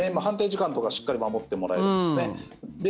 判定時間とかしっかり守ってもらえればですね。